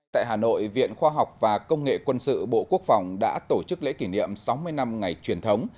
tại hà nội viện khoa học và công nghệ quân sự bộ quốc phòng đã tổ chức lễ kỷ niệm sáu mươi năm ngày truyền thống